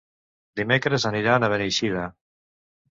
Dimecres aniran a Beneixida.